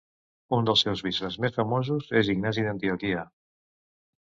Un dels seus bisbes més famosos és Ignasi d'Antioquia.